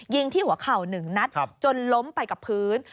ยิงที่หัวเข่า๑นัดจนล้มไปกับพื้น